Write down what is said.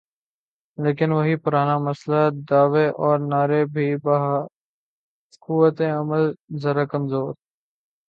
لیکن وہی پرانا مسئلہ، دعوے اور نعرے بے بہا، قوت عمل ذرا کمزور۔